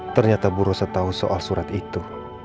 ternyata bu rosa tahu soal surat itu